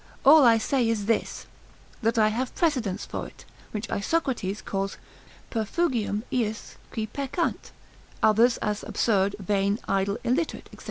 All I say is this, that I have precedents for it, which Isocrates calls perfugium iis qui peccant, others as absurd, vain, idle, illiterate, &c.